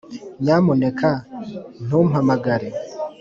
nyamuneka ntumpamagare